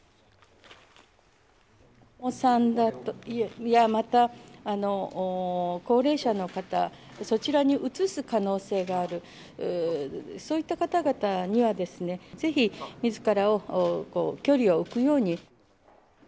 お子さんや、また高齢者の方、そちらにうつす可能性がある、そういった方々にはですね、ぜひみずから距離を置くように。